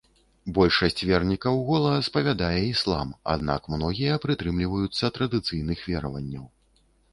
Большасць вернікаў гола спавядае іслам, аднак многія прытрымліваюцца традыцыйных вераванняў.